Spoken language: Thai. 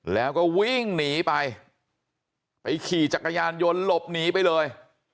แล้วก็วิ่งหนีไปไปขี่จักรยานยนต์หลบหนีไปเลย